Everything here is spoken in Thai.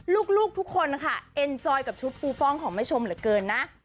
ลูกทุกคนค่ะเอ็นจอยกับชุดปูป้องของแม่ชมเหลือเกินนะ